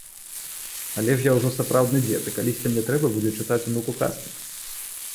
Але ж я ўжо сапраўдны дзед, і калісьці мне трэба будзе чытаць унуку казкі.